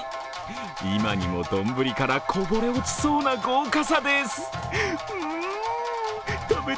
今にも丼からこぼれ落ちそうな豪華さです。